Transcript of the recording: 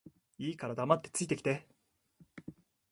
いいから黙って着いて来て